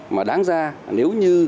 mà đáng ra nếu như